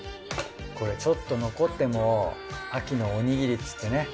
これちょっと残っても秋のおにぎりっつってね。